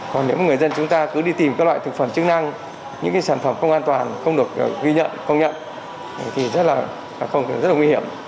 các người dân chúng ta cứ đi tìm các loại thực phẩm chức năng những sản phẩm không an toàn không được ghi nhận công nhận thì rất là nguy hiểm